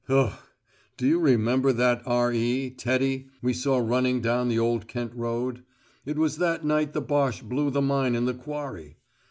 Ugh! Do you remember that R.E., Teddy, we saw running down the Old Kent Road? It was that night the Boche blew the mine in the Quarry.